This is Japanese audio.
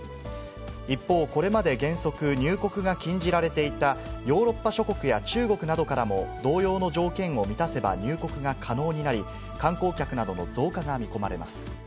一方、これまで原則、入国が禁じられていたヨーロッパ諸国や中国などからも、同様の条件を満たせば入国が可能になり、観光客などの増加が見込まれます。